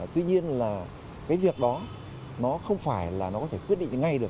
tuy nhiên là cái việc đó nó không phải là nó có thể quyết định ngay được